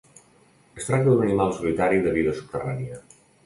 Es tracta d'un animal solitari de vida subterrània.